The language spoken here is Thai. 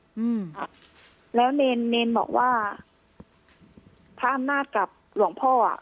อืมค่ะแล้วเนรเนรบอกว่าพระอำนาจกับหลวงพ่ออ่ะ